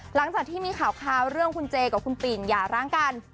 หลังจากที่มีข่าวเรื่องคุณเจกับคุณปิ่นอย่าร้างกัน